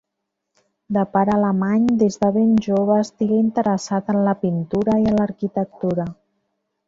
De pare alemany, des de ben jove estigué interessat en la pintura i en l'arquitectura.